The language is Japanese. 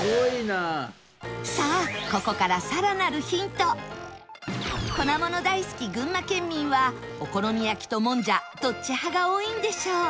さあここから粉物大好き群馬県民はお好み焼きともんじゃどっち派が多いんでしょう？